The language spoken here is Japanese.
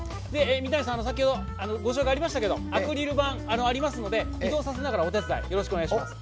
三谷さん、先ほどご紹介ありましたけどアクリル板ありますので移動させながら、お手伝いよろしくお願いします。